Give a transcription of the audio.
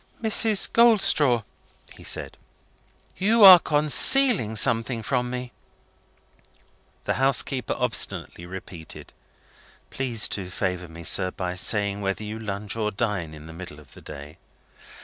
"Mrs. Goldstraw," he said, "you are concealing something from me!" The housekeeper obstinately repeated, "Please to favour me, sir, by saying whether you lunch, or dine, in the middle of the day?"